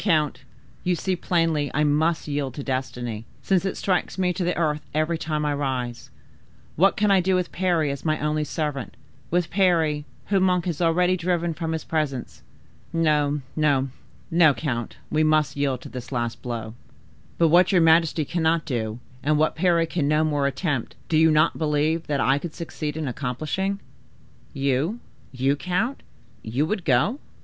count, you see plainly I must yield to destiny, since it strikes me to the earth every time I rise. What can I do with Parry as my only servant, with Parry, whom Monk has already driven from his presence? No, no, no, count, we must yield to this last blow." "But what your majesty cannot do, and what Parry can no more attempt, do you not believe that I could succeed in accomplishing?" "You—you, count—you would go?"